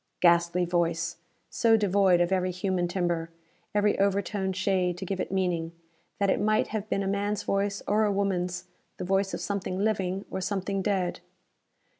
Ghastly voice! So devoid of every human timbre, every overtone shade to give it meaning, that it might have been a man's voice, or a woman's, the voice of something living, or something dead.